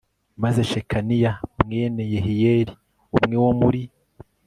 Maze Shekaniya mwene Yehiyeli umwe wo muri